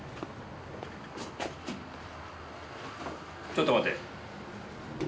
ちょっと待て。